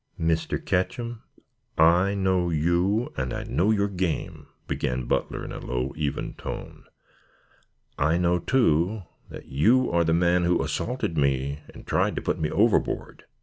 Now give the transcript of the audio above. "Mr. Ketcham, I know you and I know your game," began Butler in a low, even tone. "I know, too, that you are the man who assaulted me and tried to put me overboard."